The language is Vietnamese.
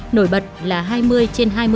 nổi bật là hai mươi trên hai mươi chỉnh